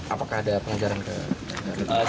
apakah ada pengajaran ke